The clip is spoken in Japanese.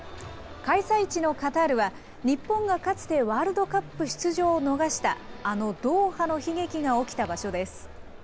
開催地のカタールは、日本がかつてワールドカップ出場を逃した、あのドーハの悲劇が起きた場所です。